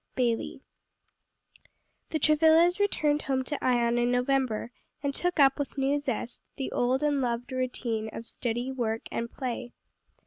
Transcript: BAILLIE. The Travillas returned home to Ion in November and took up with new zest the old and loved routine of study, work and play.